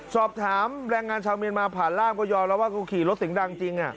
สอบถามแรงงานชาวเมียนมาผ่านร่ามก็ยอมแล้วว่าเขาขี่รถเสียงดังจริง